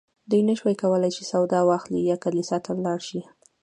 دوی نه شوای کولی چې سودا واخلي یا کلیسا ته لاړ شي.